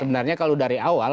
sebenarnya kalau dari awal